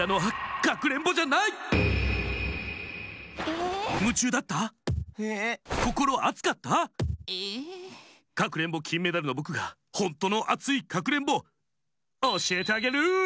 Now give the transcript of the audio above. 「かくれんぼきんメダル」のぼくがほんとのアツイかくれんぼおしえてあげる！